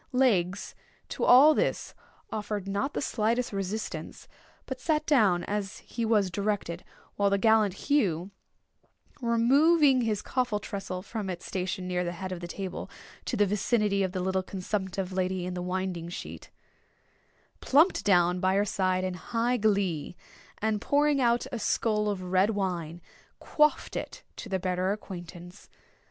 Legs to all this offered not the slightest resistance, but sat down as he was directed; while the gallant Hugh, removing his coffin tressel from its station near the head of the table, to the vicinity of the little consumptive lady in the winding sheet, plumped down by her side in high glee, and pouring out a skull of red wine, quaffed it to their better acquaintance.